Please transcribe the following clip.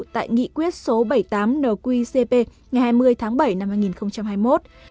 đất số bảy mươi tám nqicp ngày hai mươi tháng bảy năm hai nghìn hai mươi một